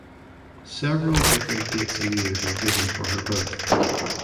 Several different dates and years are given for her birth.